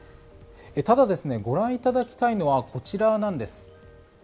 ただ、ご覧いただきたいのはこちらなんです。